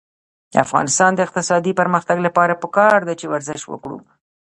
د افغانستان د اقتصادي پرمختګ لپاره پکار ده چې ورزش وکړو.